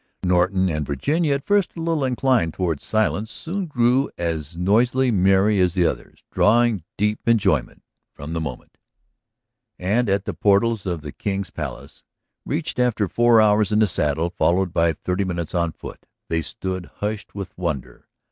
Norton and Virginia, at first a little inclined toward silence, soon grew as noisily merry as the others, drawing deep enjoyment from the moment. And at the portals of the King's Palace, reached after four hours in the saddle, followed by thirty minutes on foot, they stood hushed with wonder.